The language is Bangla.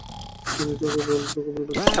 চিনি, তোকে বলব না।